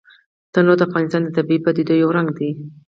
تنوع د افغانستان د طبیعي پدیدو یو رنګ دی.